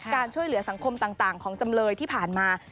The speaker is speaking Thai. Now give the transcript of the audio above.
การช่วยเหลือสังคมต่างของจำเลยที่ผ่านมา